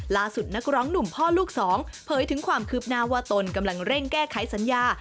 นักร้องหนุ่มพ่อลูกสองเผยถึงความคืบหน้าว่าตนกำลังเร่งแก้ไขสัญญา